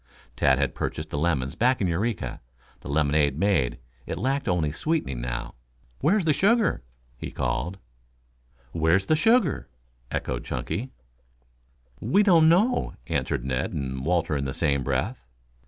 Tad had purchased the lemons back in Eureka. The lemonade made, it lacked only sweetening now. "Where's the sugar?" he called. "Where's the sugar?" echoed Chunky. "We don't know," answered Ned and Walter in the same breath.